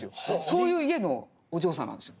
そういう家のお嬢さんなんですよ。